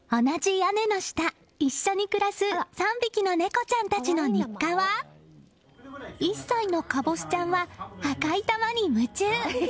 同じ屋根の下、一緒に暮らす３匹のネコちゃんたちの日課は１歳のかぼすちゃんは赤い球に夢中。